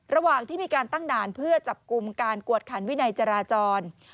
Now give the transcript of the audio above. ระหว่างที่มีการตั้งด่านเพื่อจับกลุ่มการกวดขันวินัยจราจร